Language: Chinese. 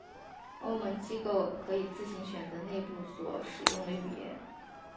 欧盟机构可以自行选择内部所使用的语言。